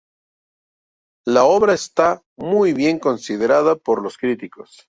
La obra está muy bien considerada por los críticos.